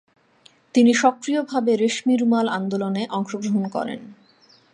তিনি সক্রিয়ভাবে রেশমি রুমাল আন্দোলনে অংশগ্রহণ করেন।